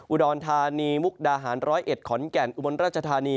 อุดรธานีมุกดาหารเพื้นเอ็ดขอนแก่นอุบรรณรจฐานี